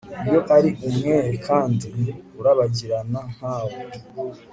Iyo ari umwere kandi urabagirana nka we